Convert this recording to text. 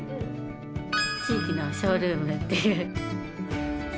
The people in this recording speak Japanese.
「地域のショールーム」っていう。